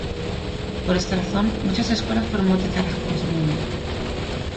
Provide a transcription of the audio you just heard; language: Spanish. Por esta razón, muchas escuelas fueron bautizadas con su nombre.